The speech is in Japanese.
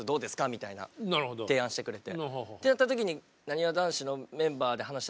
みたいな提案してくれて。